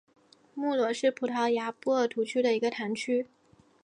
穆罗是葡萄牙波尔图区的一个堂区。